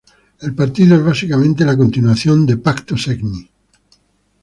El partido es básicamente la continuación Pacto Segni.